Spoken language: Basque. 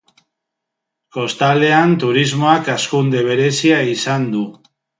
Kostaldean turismoak hazkunde berezia izan du.